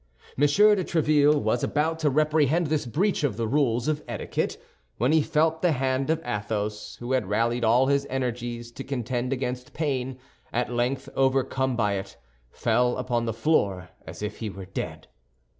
M. de Tréville was about to reprehend this breach of the rules of etiquette, when he felt the hand of Athos, who had rallied all his energies to contend against pain, at length overcome by it, fell upon the floor as if he were dead.